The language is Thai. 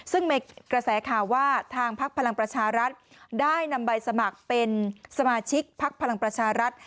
ซึ่งมีกระแสข่าวว่าทางพักพลังประชารัฐได้นำใบสมัครเป็นสมาชิกพักพลังประชารัฐ